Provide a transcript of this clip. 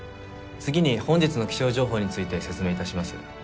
次に本日の気象情報について説明致します。